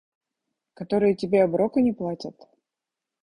Которые тебе оброка не платят?